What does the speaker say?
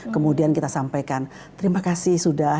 kemudian kita sampaikan terima kasih sudah